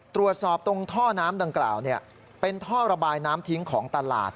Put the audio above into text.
ตรวจสอบตรงท่อน้ำดังกล่าวเป็นท่อระบายน้ำทิ้งของตลาด